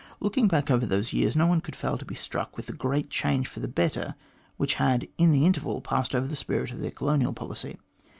Looking back over those years, no one could fail to be struck with the great change for the better which had in the interval passed over the spirit of their colonial policy.